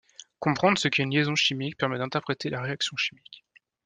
Comprendre ce qu'est une liaison chimique permet d'interpréter la réaction chimique.